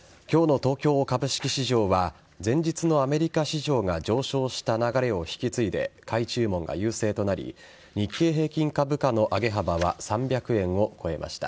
今日の東京株式市場は前日のアメリカ市場が上昇した流れを引き継いで買い注文が優勢となり日経平均株価の上げ幅は３００円を超えました。